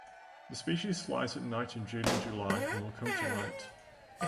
The species flies at night in June and July and will come to light.